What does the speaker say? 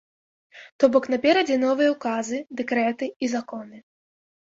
То бок, наперадзе новыя ўказы, дэкрэты і законы.